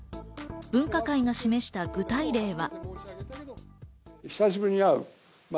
分科会が示した具体例は。